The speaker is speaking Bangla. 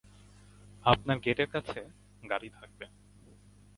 আপনার গেটের কাছে গাড়ি থাকবে।